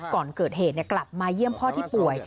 ก่อนเกิดเหตุกลับมาเยี่ยมพ่อที่ป่วย